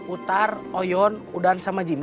utar oyon udan sama jimmy